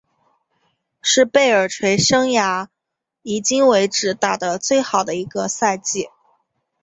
是贝尔垂生涯迄今为止打得最好的一个赛季。